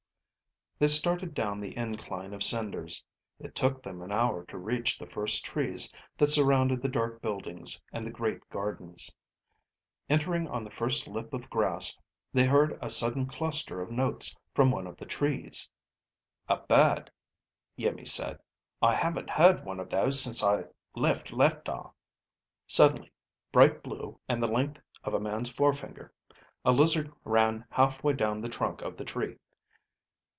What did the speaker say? They started down the incline of cinders. It took them an hour to reach the first trees that surrounded the dark buildings and the great gardens. Entering on the first lip of grass, they heard a sudden cluster of notes from one of the trees. "A bird," Iimmi said. "I haven't heard one of those since I left Leptar." Suddenly, bright blue and the length of a man's forefinger, a lizard ran halfway down the trunk of the tree.